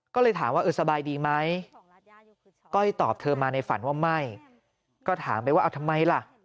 ก็เลยถามว่าเออสบายดีไหมก้อยตอบเธอมาในฝันว่าไม่ก็ถามไปว่าเอาทำไมล่ะ